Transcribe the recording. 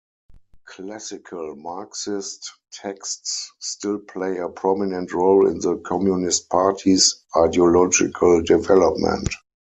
Classical Marxist texts still play a prominent role in the Communist Party's ideological development.